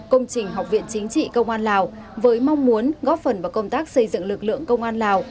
công trình học viện chính trị công an lào với mong muốn góp phần vào công tác xây dựng lực lượng công an lào